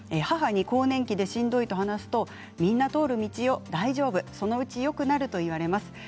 母に、更年期でしんどいと話すとみんな通る道よ、大丈夫そのうちよくなると言われます。